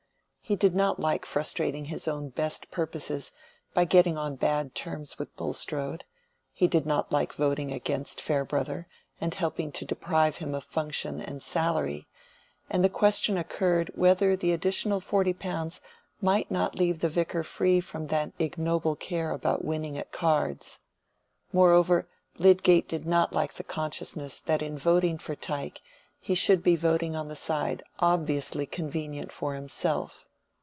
He did not like frustrating his own best purposes by getting on bad terms with Bulstrode; he did not like voting against Farebrother, and helping to deprive him of function and salary; and the question occurred whether the additional forty pounds might not leave the Vicar free from that ignoble care about winning at cards. Moreover, Lydgate did not like the consciousness that in voting for Tyke he should be voting on the side obviously convenient for himself.